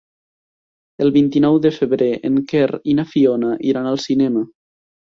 El vint-i-nou de febrer en Quer i na Fiona iran al cinema.